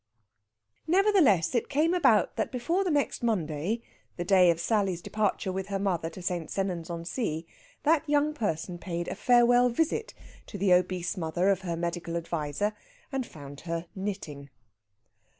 Nevertheless, it came about that before the next Monday the day of Sally's departure with her mother to St. Sennans on Sea that young person paid a farewell visit to the obese mother of her medical adviser, and found her knitting.